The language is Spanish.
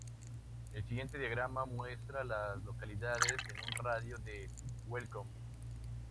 El siguiente diagrama muestra a las localidades en un radio de de Welcome.